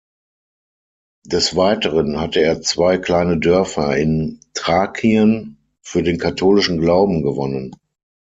Des Weiteren hatte er zwei kleine Dörfer in Thrakien für den katholischen Glauben gewonnen.